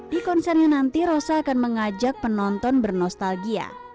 di konsernya nanti rosa akan mengajak penonton bernostalgia